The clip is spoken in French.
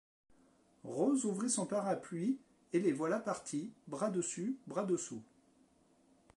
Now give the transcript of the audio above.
Rose ouvrit son parapluie et les voilà partis, bras dessus, bras dessous.